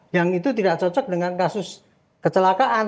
yang itu tidak cocok dengan kasus kecelakaan